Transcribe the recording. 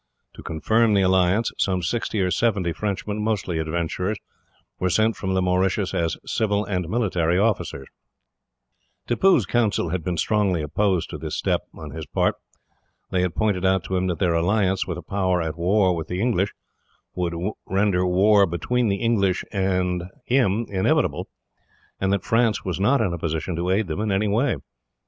To confirm the alliance, some sixty or seventy Frenchmen, mostly adventurers, were sent from the Mauritius as civil and military officers. Tippoo's council had been strongly opposed to this step on his part. They had pointed out to him that their alliance, with a power at war with the English, would render war between the English and him inevitable; and that France was not in a position to aid them in any way.